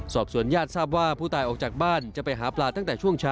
สอบส่วนญาติทราบว่าผู้ตายออกจากบ้านจะไปหาปลาตั้งแต่ช่วงเช้า